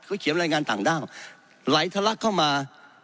เขาเขียนรายงานต่างด้าวไหลทะลักเข้ามา